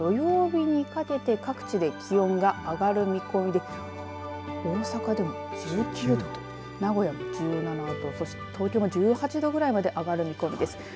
特に、金曜日から土曜日にかけて各地で気温が上がる見込みで大阪でも１９度と名古屋１７度そして東京が１８度ぐらいまで上がる見込みです。